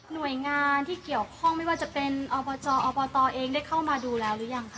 หน่วยงานที่เกี่ยวข้องไม่ว่าจะเป็นอบจอบตเองได้เข้ามาดูแล้วหรือยังคะ